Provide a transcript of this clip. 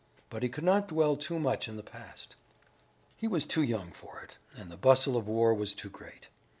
But he could not dwell too much in the past. He was too young for it, and the bustle of war was too great.